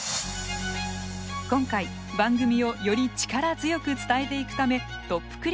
今回番組をより力強く伝えていくためトップ